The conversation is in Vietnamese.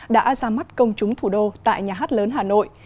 đã ra mắt công chúng thủ đô tại nhà hát lớn hà nội